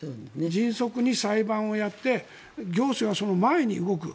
迅速に裁判をやって行政はその前に動く。